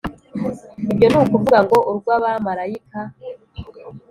ibyo ni ukuvuga ngo urw’abamarayika.